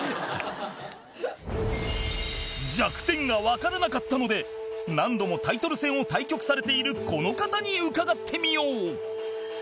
弱点がわからなかったので何度もタイトル戦を対局されているこの方に伺ってみよう